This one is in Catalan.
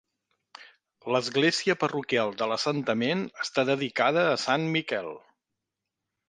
L'església parroquial de l'assentament està dedicada a Sant Miquel.